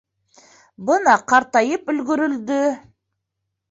Бына ҡартайып өлгөрөлдө.